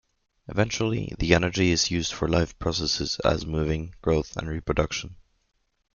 Eventually, the energy is used for life processes as moving, growth and reproduction.